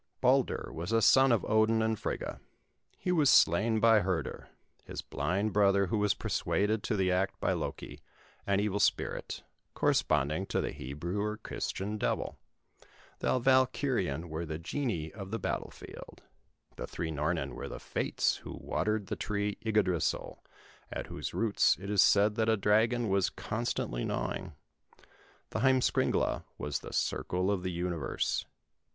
Baldur was a son of Odin and Frigga. He was slain by Hörder, his blind brother, who was persuaded to the act by Loké, an evil spirit, corresponding to the Hebrew or Christian devil. The Valkyrien were the genii of the battle field. The three Nornen were the Fates who watered the tree Yggdrasill, at whose roots it is said that a dragon was constantly gnawing. The Heimskringla was the circle of the universe.